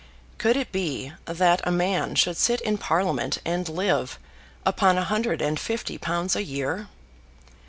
Could it be that a man should sit in Parliament and live upon a hundred and fifty pounds a year?